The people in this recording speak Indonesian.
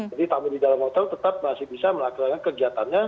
jadi tamu di dalam hotel tetap masih bisa melakukan kegiatannya